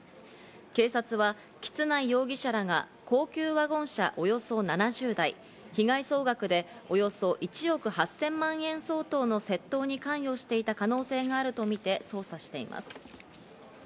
警察は橘内容疑者らが高級ワゴン車およそ７０台、被害総額でおよそ１億８０００万円相当の窃盗に関与していた可能性があるとみて捜査しています。